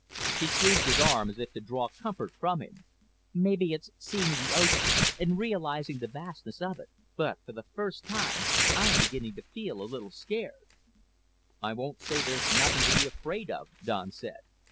She squeezed his arm as if to draw comfort from him. "Maybe it's seeing the ocean and realizing the vastness of it, but for the first time I'm beginning to feel a little scared." "I won't say there's nothing to be afraid of," Don said.